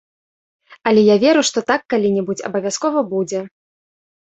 Але я веру, што так калі-небудзь абавязкова будзе.